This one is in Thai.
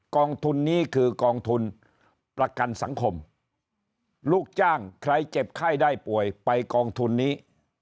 กองทุนนี้คือกองทุนประกันสังคมลูกจ้างใครเจ็บไข้ได้ป่วยไปกองทุนนี้